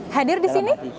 hadir di sini